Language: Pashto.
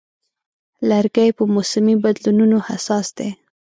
لرګی په موسمي بدلونونو حساس دی.